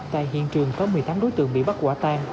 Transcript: tại hiện trường có một mươi tám đối tượng bị bắt quả tang